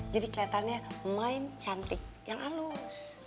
jadi keliatannya main cantik yang halus